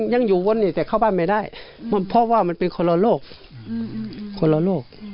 ยังอยู่วนเนี่ยแต่เข้าบ้านไม่ได้พ่อว่ามันเป็นหล่อโลกหล่อโลก